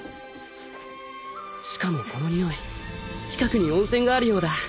しかもこのにおい近くに温泉があるようだ。